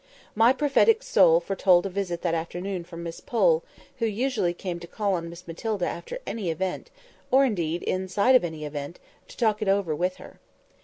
My prophetic soul foretold a visit that afternoon from Miss Pole, who usually came to call on Miss Matilda after any event—or indeed in sight of any event—to talk it over with her.